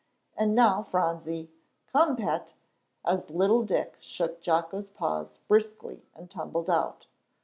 And now, Phronsie. Come, pet!" as little Dick shook Jocko's paws briskly and tumbled out.